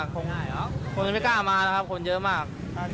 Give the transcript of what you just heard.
คนจะไม่กล้ามานะครับคนเยอะมาก